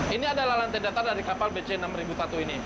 ini adalah lantai datar dari kapal bc enam ribu satu ini